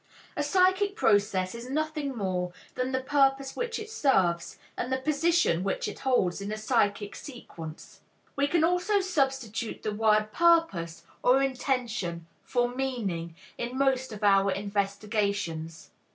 A psychic process is nothing more than the purpose which it serves and the position which it holds in a psychic sequence. We can also substitute the word "purpose" or "intention" for "meaning" in most of our investigations.